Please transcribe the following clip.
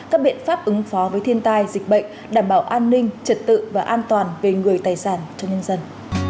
các biện pháp ứng phó với thiên tai dịch bệnh đảm bảo an ninh trật tự và an toàn về người tài sản cho nhân dân